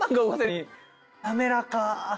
滑らか。